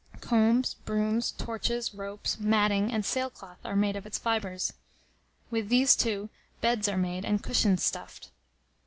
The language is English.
Combs, brooms, torches, ropes, matting, and sailcloth are made of its fibers. With these, too, beds are made and cushions stuffed.